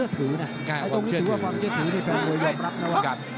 ถึงว่าตรงนี้ถือว่าความเชื่อถือให้แฟนมวยยอมรับนะครับ